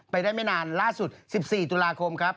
ได้ไม่นานล่าสุด๑๔ตุลาคมครับ